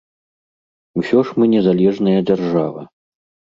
Усё ж мы незалежная дзяржава.